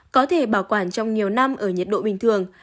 có thể bảo quản trong nhiều năm ở nhiệt độ bình thường